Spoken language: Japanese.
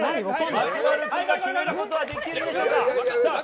松丸君が決めることはできるんでしょうか。